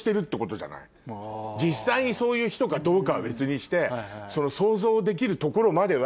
実際にそういう人かどうかは別にして。